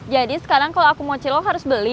jadi sekarang kalau aku mau cilok harus beli